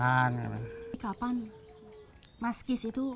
sendirian ya pak